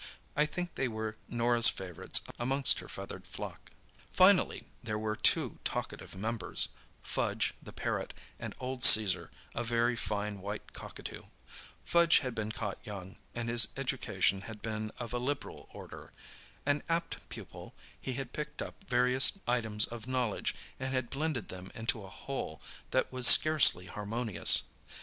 I think they were Norah's favourites amongst her feathered flock. Finally there were two talkative members—Fudge the parrot, and old Caesar, a very fine white cockatoo. Fudge had been caught young, and his education had been of a liberal order. An apt pupil, he had picked up various items of knowledge, and had blended them into a whole that was scarcely harmonious.